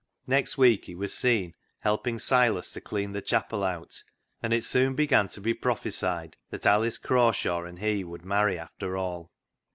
Next week he was seen helping Silas to clean the chapel out, and it soon began to be prophesied that Alice Craw shaw and he would marry after all.